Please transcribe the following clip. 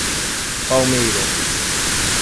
Palmeiras